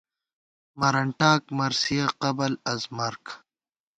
مرنٹاک(مرثیہ قبل از مرگ)